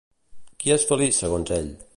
Qui és feliç segons ell?